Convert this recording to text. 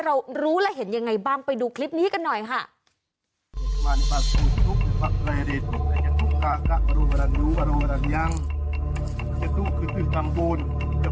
เรารู้และเห็นยังไงบ้างไปดูคลิปนี้กันหน่อยค่ะ